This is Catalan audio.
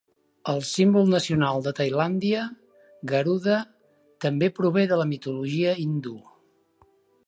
El símbol nacional de Tailàndia, Garuda, també prové de la mitologia hindú.